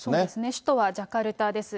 首都はジャカルタです。